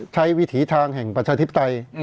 วิถีทางแห่งประชาธิปไตย